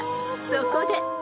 そこで］